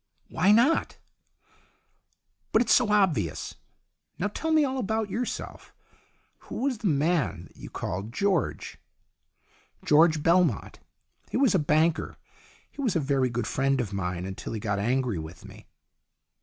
"Why not?" "But it's so obvious. Now tell me all about yourself. Who was the man that you called George ?"" George Belmont. He was a banker. He was a very good friend of mine, until he got angry with me."